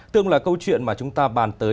tương là câu chuyện mà chúng ta bàn tới